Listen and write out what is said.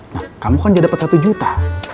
nah kamu kan udah dapet satu juta